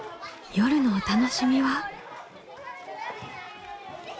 夜のお楽しみは。